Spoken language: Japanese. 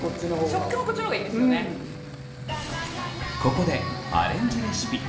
ここでアレンジレシピ。